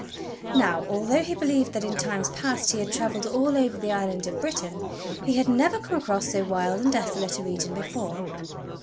Now, although he believed that, in times past, he had travelled all over the island of Britain, he had never come across so wild and desolate a region before.